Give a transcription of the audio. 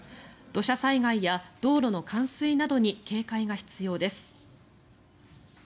土砂災害や道路の冠水などに警戒が必要です。